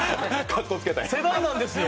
世代なんですよ。